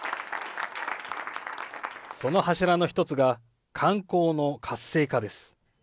その柱の一つが、観光の活性化です。